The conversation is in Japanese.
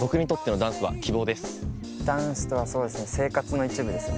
ダンスとはそうですね